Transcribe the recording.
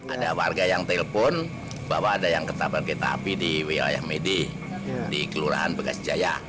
ada warga yang telpon bahwa ada yang ketable kereta api di wilayah medi di kelurahan bekasi jaya